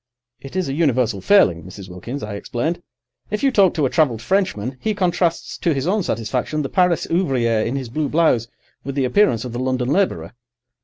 "It is a universal failing, Mrs. Wilkins," I explained. "If you talk to a travelled Frenchman, he contrasts to his own satisfaction the Paris ouvrier in his blue blouse with the appearance of the London labourer."